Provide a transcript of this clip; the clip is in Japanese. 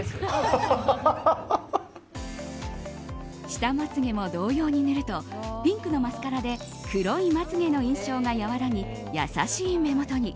下まつ毛も同様に塗るとピンクのマスカラで黒いまつ毛の印象が和らぎ優しい目元に。